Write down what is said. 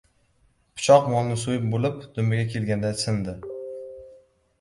• Pichoq molni so‘yib bo‘lib, dumiga kelganda sindi.